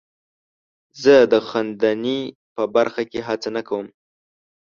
زه د خندنۍ په برخه کې هڅه نه کوم.